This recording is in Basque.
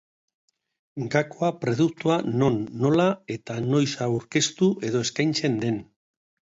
Gakoa produktua non, nola eta noiz aurkeztu edo eskaintzen den.